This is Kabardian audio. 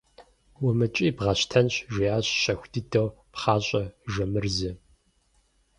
– УмыкӀий, бгъэщтэнщ, – жиӀащ щэху дыдэу пхъащӀэ Жамырзэ.